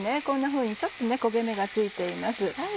こんなふうにちょっと焦げ目がついています。